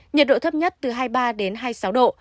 nhiệt độ thấp nhất từ hai mươi ba đến hai mươi sáu độ